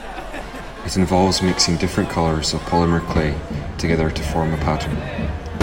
It involves mixing different colors of polymer clay together to form a pattern.